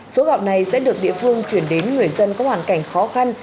số gạo này sẽ được địa phương chuyển đến người dân có hoàn cảnh khó khăn